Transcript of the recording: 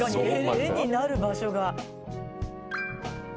画になる場所が。